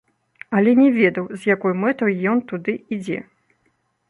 Але не ведаў, з якой мэтай ён туды ідзе.